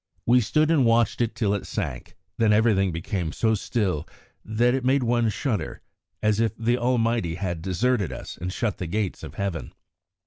We stood and watched it till it sank; then everything became so still that it made one shudder as if the Almighty had deserted us and shut the gates of Heaven.